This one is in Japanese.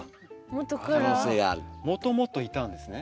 もともといたんですね。